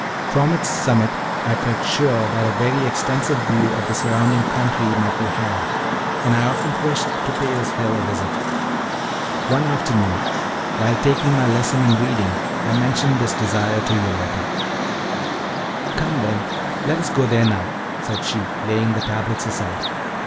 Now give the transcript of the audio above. From its summit I felt sure that a very extensive view of the surrounding country might be had, and I often wished to pay this hill a visit. One afternoon, while taking my lesson in reading, I mentioned this desire to Yoletta. "Come, then, let us go there now," said she, laying the tablets aside.